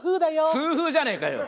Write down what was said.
痛風じゃねえかよ！